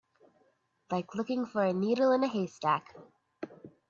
Like looking for a needle in a haystack.